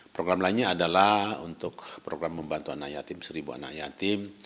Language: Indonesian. program lainnya adalah untuk program membantu anak yatim seribu anak yatim